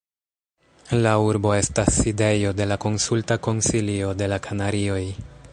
La urbo estas sidejo de la Konsulta Konsilio de la Kanarioj.